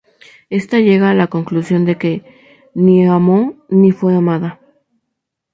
Esta llega a la conclusión de que ni amó ni fue amada.